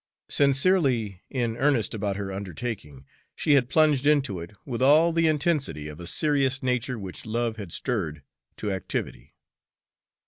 Sincerely in earnest about her undertaking, she had plunged into it with all the intensity of a serious nature which love had stirred to activity.